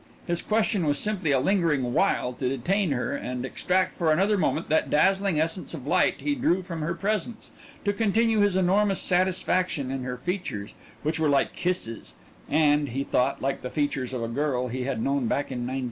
His question was simply a lingering wile to detain her and extract for another moment that dazzling essence of light he drew from her presence, to continue his enormous satisfaction in her features, which were like kisses and, he thought, like the features of a girl he had known back in 1910.